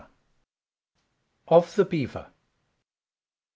Of the Bever.